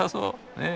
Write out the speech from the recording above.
ねえ。